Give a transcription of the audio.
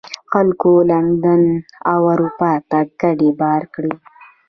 خلکو لندن او اروپا ته کډې بار کړې.